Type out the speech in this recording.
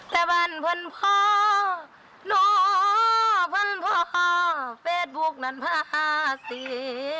แต่บ้านพ่นพ่อหน่อพ่นพ่อเฟสบุ๊คนั้นพาเสีย